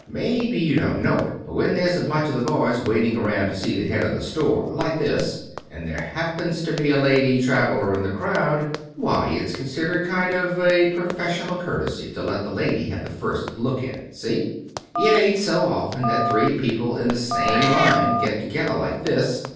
Maybe you don't know it, but when there's a bunch of the boys waiting around to see the head of the store like this, and there happens to be a lady traveler in the crowd, why, it's considered kind of a professional courtesy to let the lady have the first look in. See? It ain't so often that three people in the same line get together like this.